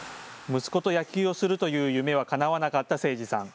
息子と野球をするという夢はかなわなかった清司さん。